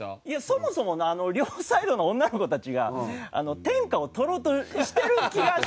そもそもあの両サイドの女の子たちが天下を取ろうとしてる気がしない。